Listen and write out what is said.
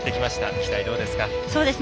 期待、どうですか。